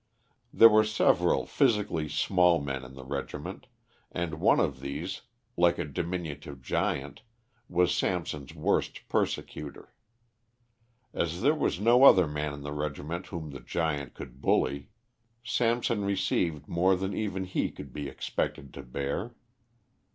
There were several physically small men in the regiment, and one of these, like a diminutive gnat, was Samson's worst persecutor. As there was no other man in the regiment whom the gnat could bully, Samson received more than even he could be expected to bear.